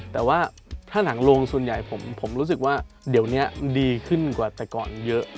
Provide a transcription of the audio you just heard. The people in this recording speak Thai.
แต่ว่าถ้าหนังลงส่วนใหญ่ผมรู้สึกว่าเดี๋ยวนี้ดีขึ้นกว่าแต่ก่อนเยอะ